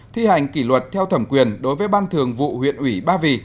thi hành kỷ luật theo thẩm quyền đối với ban thường vụ huyện ủy ba vì